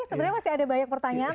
sebenarnya masih ada banyak pertanyaan